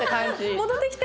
戻ってきて。